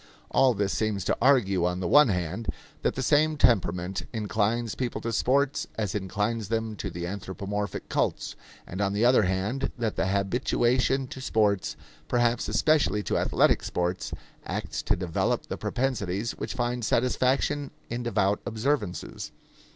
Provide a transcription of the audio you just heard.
All this seems to argue, on the one hand, that the same temperament inclines people to sports as inclines them to the anthropomorphic cults, and on the other hand that the habituation to sports, perhaps especially to athletic sports, acts to develop the propensities which find satisfaction in devout observances.